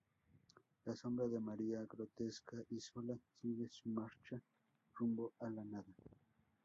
La Sombra de María, grotesca y sola, sigue su marcha rumbo a la nada.